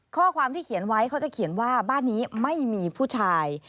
ข้อความที่เขียนไว้เขาจะเขียนว่าบ้านนี้ไม่มีผู้ชาย